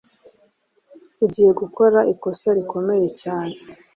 Ugiye gukora ikosa rikomeye cyane.